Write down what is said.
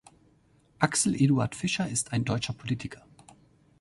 Axel Eduard Fischer ist ein deutscher Politiker.